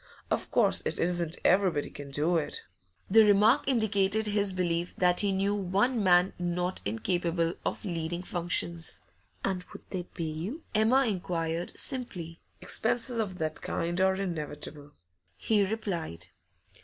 Of course, it isn't everybody can do it.' The remark indicated his belief that he knew one man not incapable of leading functions. 'And would they pay you?' Emma inquired, simply. 'Expenses of that kind are inevitable,' he replied.